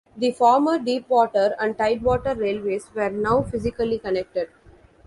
The former Deepwater and Tidewater Railways were now physically connected.